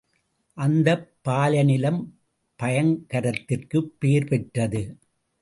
அந்தப் பாலைநிலம் பயங்கரத்திற்குப் பேர் பெற்றது.